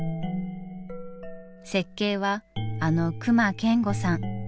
設計はあの隈研吾さん。